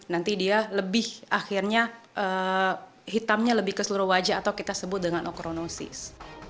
nanti dia lebih akhirnya hitamnya lebih ke seluruh wajah atau kita sebut dengan okronosis